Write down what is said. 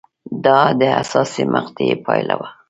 دا د حساسې مقطعې پایله وه